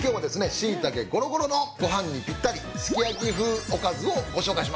シイタケごろごろのご飯にぴったりすき焼き風おかずをご紹介します。